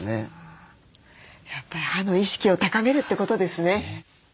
やっぱり歯の意識を高めるってことですね。